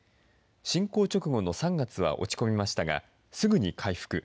侵攻直後の３月は落ち込みましたが、すぐに回復。